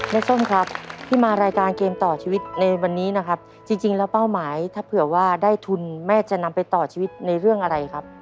ส้มครับที่มารายการเกมต่อชีวิตในวันนี้นะครับจริงแล้วเป้าหมายถ้าเผื่อว่าได้ทุนแม่จะนำไปต่อชีวิตในเรื่องอะไรครับ